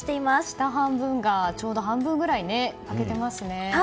下半分が、ちょうど半分くらい欠けていますね。